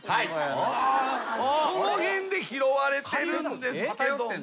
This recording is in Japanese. この辺で拾われてるんですけども。